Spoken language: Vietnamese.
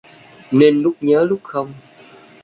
Nên lúc nhớ lúc không